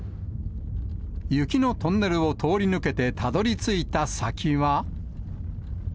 雪のトンネルを通り抜けてたどりついた先は。